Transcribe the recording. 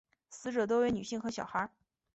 死者多为女性和小孩。